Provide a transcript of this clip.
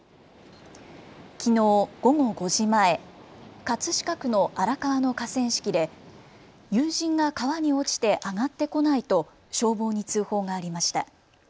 きのう午後５時前、葛飾区の荒川の河川敷で友人が川に落ちてあがってこないと消防に通報がありました。